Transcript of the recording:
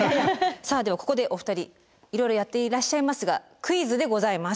さあではここでお二人いろいろやっていらっしゃいますがクイズでございます。